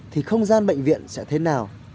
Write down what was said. thì không gian bệnh viện sẽ thế nào